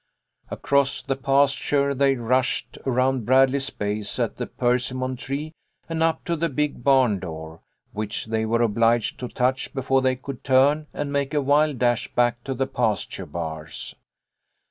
57 Across the pasture they rushed, around Bradley's base at the persimmon tree, and up to the big barn door, which they were obliged to touch before they could turn and make a wild dash back to the pasture bars.